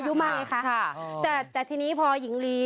โรโบต้าอย่างนี้เหรอ